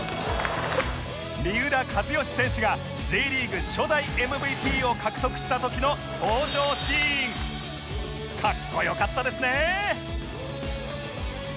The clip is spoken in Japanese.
三浦知良選手が Ｊ リーグ初代 ＭＶＰ を獲得した時の登場シーンかっこよかったですねえ